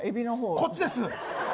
こっちです！